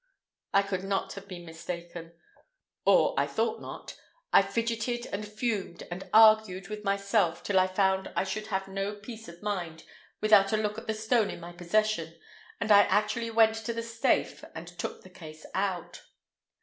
I could not have been mistaken—or I thought not. I fidgeted and fumed and argued with myself till I found I should have no peace of mind without a look at the stone in my possession, and I actually went to the safe and took the case out.